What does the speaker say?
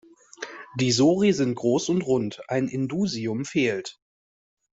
Die Sori sind groß und rund, ein Indusium fehlt.